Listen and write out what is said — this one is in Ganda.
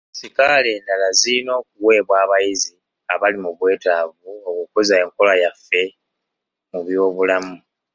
Sikaala endala zirina okuweebwa abayizi abali mu bwetaavu okukuza enkola yaffe mu byobulamu.